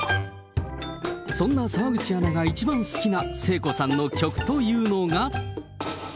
そんな澤口アナが一番好きな聖子さんの曲というのが。